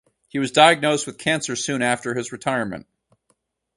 He was diagnosed with cancer soon after his retirement.